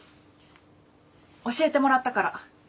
教えてもらったから。